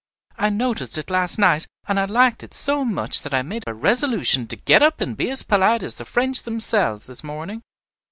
I noticed it last night, and I liked it so much that I made a resolution to get up and be as polite as the French themselves this morning."